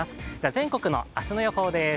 全国の明日の予報です。